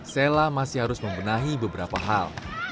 sela masih harus membenahi beberapa hal